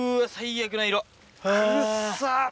くっさ！